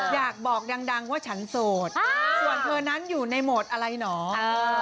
อยากบอกดังว่าฉันโสดส่วนเธอนั้นอยู่ในโหมดอะไรเหรอ